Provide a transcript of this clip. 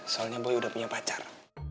soalnya beliau udah punya pacar